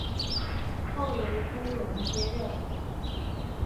后由周荣接任。